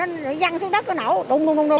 nó văng xuống đất nó nổ đung đung đung rồi lộ